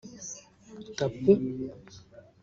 “tapu”